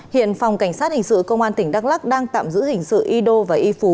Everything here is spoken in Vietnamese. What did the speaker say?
hiện phòng cảnh sát hình sự công an tỉnh đắk lắc đang tạm giữ hình sự y đô và y phú